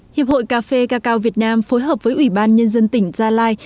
hiệp hội cà phê cà cao việt nam phối hợp với ủy ban nhân dân tỉnh gia lai